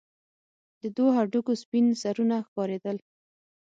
د دوو هډوکو سپين سرونه ښكارېدل.